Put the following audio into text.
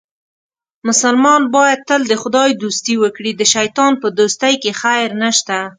مسلمان باید تل د خدای دوستي وکړي، د شیطان په دوستۍ کې خیر نشته.